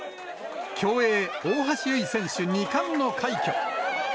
競泳、大橋悠依選手、２冠の快挙。